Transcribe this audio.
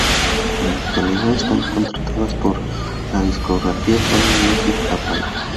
En la actualidad están contratadas por la discográfica Sony Music Japan.